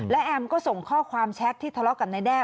และแอมก็ส่งข้อความแชทที่ทะเลาะกับนายแด้